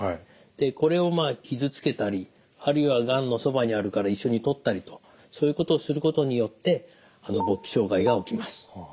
でこれを傷つけたりあるいはがんのそばにあるから一緒に取ったりとそういうことをすることによって勃起障害が起きます。